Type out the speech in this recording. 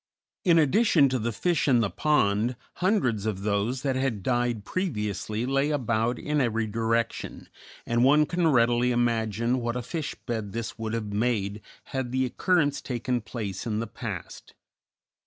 In addition to the fish in the pond, hundreds of those that had died previously lay about in every direction, and one can readily imagine what a fish bed this would have made had the occurrence taken place in the past.